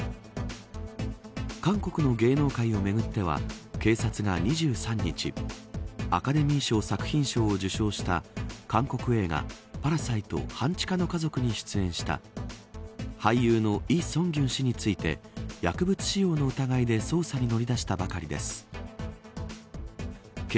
韓国の芸能界をめぐっては警察が２３日アカデミー賞作品賞を受賞した韓国映画、パラサイト半地下の家族に出演した俳優のイ・ソンギュン氏について薬物使用の疑いで捜査に乗り出したばかりです。